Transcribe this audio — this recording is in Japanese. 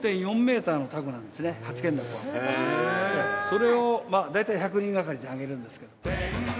それを大体１００人がかりで揚げるんですけど。